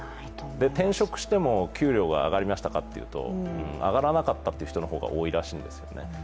転職しても給料が上がりましたかっていうと上がらなかったという人の方が多いらしいんですね